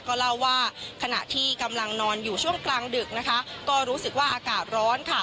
ก็เล่าว่าขณะที่กำลังนอนอยู่ช่วงกลางดึกนะคะก็รู้สึกว่าอากาศร้อนค่ะ